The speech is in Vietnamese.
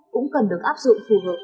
cũng cần được áp dụng phù hợp